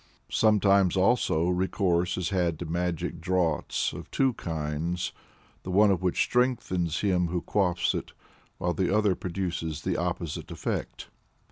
Sometimes, also, recourse is had to magic draughts of two kinds, the one of which strengthens him who quaffs it, while the other produces the opposite effect.